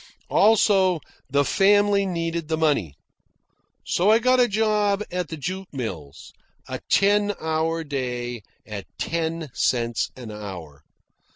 Also, the family needed the money. So I got a job at the jute mills a ten hour day at ten cents an hour.